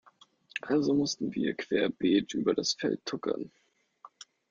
Also mussten wir querbeet über das Feld tuckern.